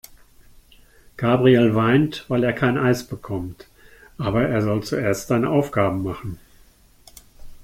Gabriel weint, weil er kein Eis bekommt. Aber er soll zuerst seine Aufgaben machen.